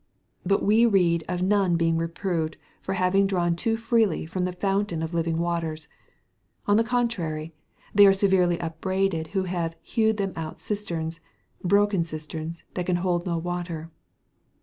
But we read of none being reproved for having drawn too freely from the fountain of living waters; on the contrary, they are severely upbraided who have "hewed them out cisterns, broken cisterns, that can hold no water."